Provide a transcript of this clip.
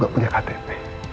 kamu gak punya ktp